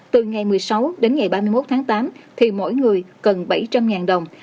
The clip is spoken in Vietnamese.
từ ngày một mươi sáu đến ngày ba mươi một tháng tám thì mỗi người cần bảy trăm linh đồng